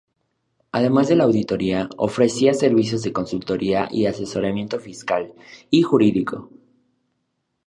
Además de la auditoría, ofrecía servicios de consultoría y asesoramiento fiscal y jurídico.